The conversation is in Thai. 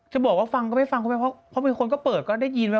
จบแบบเห็นฮิต